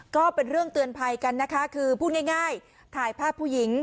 ก็เป็นเรื่องเตือนภัยกันนะคะคือพูดง่ายถ่ายภาพผู้หญิง